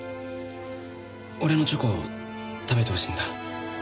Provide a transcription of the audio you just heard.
俺のチョコ食べてほしいんだ。